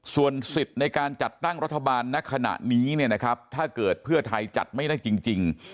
ส่วนสิทธิ์ในการจัดตั้งรัฐบาลณขณะนี้เนี่ยนะครับถ้าเกิดเพื่อไทยจัดไม่ได้จริง